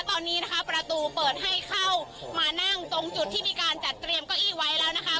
ตอนนี้นะคะประตูเปิดให้เข้ามานั่งตรงจุดที่มีการจัดเตรียมเก้าอี้ไว้แล้วนะคะ